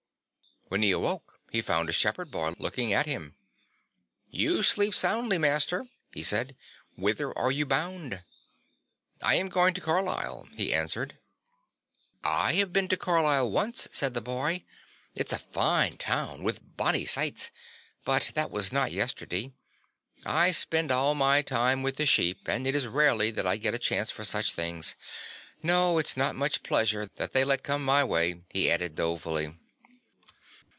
When he awoke he found a shepherd boy looking at him. "You sleep soundly, Master," he said; "whither are you bound?" "I am going to Carlisle," he answered. "I have been in Carlisle once," said the boy. "It's a fine town, with bonnie sights; but that was not yesterday. I spend all my time with the sheep and it is rarely that I get a chance for such things. No, it's not much pleasure that they let come my way," he added dolefully.